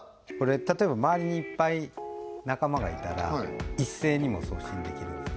例えば周りにいっぱい仲間がいたら一斉にも送信できるんです